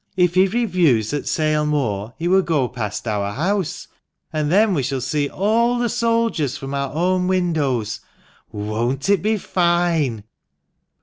If he reviews at Sale Moor he will go past our house ; and then we shall see all the soldiers from our own windows. Won't it be fine